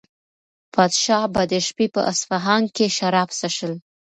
پادشاه به د شپې په اصفهان کې شراب څښل.